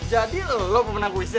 jadi lo pemenang quiznya